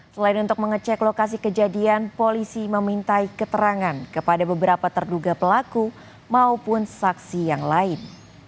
selain untuk mengecek lokasi kejadian polisi memintai keterangan kepada beberapa terduga pelaku maupun saksi yang lain